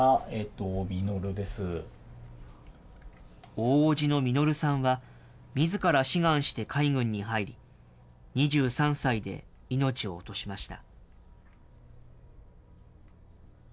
大伯父の實さんは、みずから志願して海軍に入り、２３歳で命を落としました。